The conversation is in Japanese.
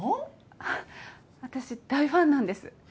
あっ私大ファンなんです。